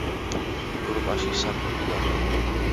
ევროპაში საკვები გამოილია.